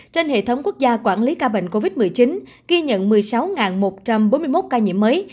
trên hệ thống quốc gia quản lý ca bệnh covid một mươi chín ghi nhận một mươi sáu một trăm bốn mươi một ca nhiễm mới